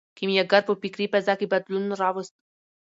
کیمیاګر په فکري فضا کې بدلون راوست.